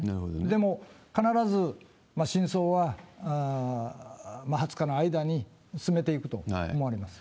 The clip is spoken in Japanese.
でも、必ず真相は２０日の間に詰めていくと思います。